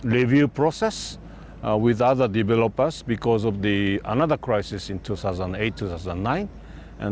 kami melalui proses penyelenggaraan tarif dengan pembangunan lain karena krisis lain di tahun dua ribu delapan dua ribu sembilan